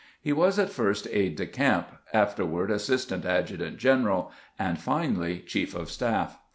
He was at first aide de camp, afterward assistant adjutant general, and finally chief of staff.